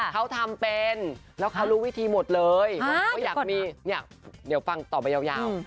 เขาทำเป็นแล้วเขารู้วิธีหมดเลยว่าอยากมีอยากเดี๋ยวฟังต่อไปยาว